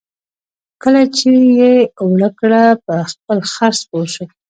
کله چې یې اوړه کړه په خپل خر سپور شو.